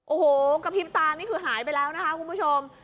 โอ้โหกระพริบตานี่คือหายไปแล้วนะคะคุณผู้ชม